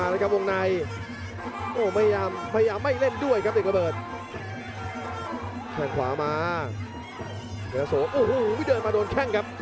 เล่นด้วยครับเด็กระเบิดแข่งขวามาเพยะน้าโสโอ้โหไม่เดินมาโดนแข่งครับ